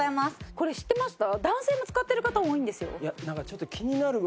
これ知ってました？